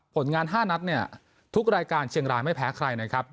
ผลงาน๕นัดเนี่ยทุกรายการเชียงรายไม่แพ้ใครนะครับ